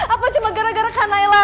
apa cuma gara gara kak nailah